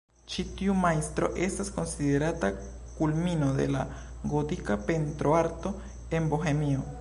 Ĉi tiu majstro estas konsiderata kulmino de la gotika pentroarto en Bohemio.